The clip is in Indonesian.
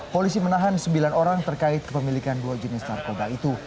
polisi menahan sembilan orang terkait kepemilikan dua jenis narkoba itu